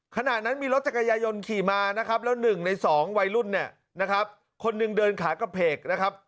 ขณะนั้นมีรถจักรยายนขี่มานะครับแล้ว๑ใน๒วัยรุ่นเนี่ยนะครับคนหนึ่งเดินขากระเพกนะครับ